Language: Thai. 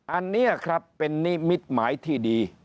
อันนี้ครับเป็นนิมิตหมายที่ดี